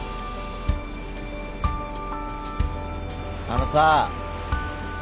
あのさ。